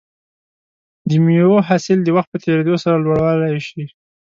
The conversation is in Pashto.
د مېوو حاصل د وخت په تېریدو سره لوړولی شي.